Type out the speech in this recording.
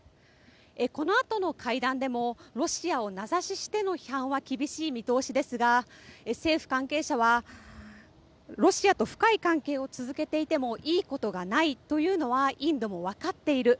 このあとの会談でもロシアを名指ししての批判は厳しい見通しですが政府関係者はロシアと深い関係を続けていてもいいことがないというのはインドも分かっている。